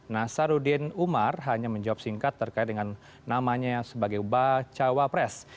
nasaruddin umar hanya menjawab singkat terkait dengan namanya sebagai bacawa pres